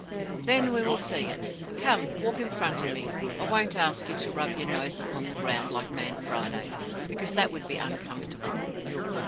"Then we will see it. Come, walk in front of me. I won't ask you to rub your nose upon the ground, like Man Friday, because that would be uncomfortable.